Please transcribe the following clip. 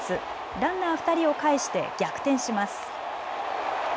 ランナー２人を帰して逆転します。